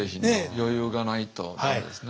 余裕がないと駄目ですね。